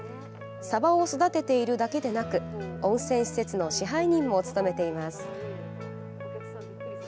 サバを育てているだけでなく温泉施設の支配人も務めています。